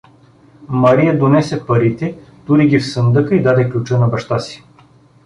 Мария донесе парите, тури ги в сандъка и даде ключа на баща си.